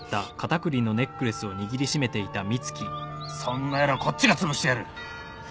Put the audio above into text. そんな野郎こっちが潰してやる。